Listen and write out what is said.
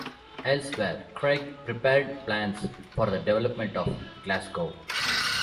Elsewhere, Craig prepared plans for the development of Glasgow.